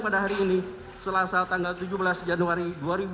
pada hari ini selasa tanggal tujuh belas januari dua ribu dua puluh